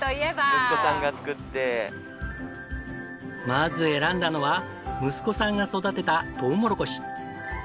まず選んだのは息子さんが育てたトウモロコシ。